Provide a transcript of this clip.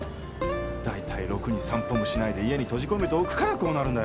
大体ろくに散歩もしないで家に閉じ込めておくからこうなるんだよ。